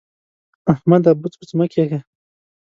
احمده! بوڅ بوڅ مه کېږه.